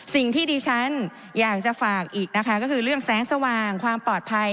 สิ่งที่ดิฉันอยากจะฝากอีกนะคะก็คือเรื่องแสงสว่างความปลอดภัย